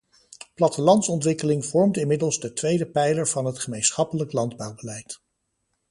Plattelandsontwikkeling vormt inmiddels de tweede pijler van het gemeenschappelijk landbouwbeleid.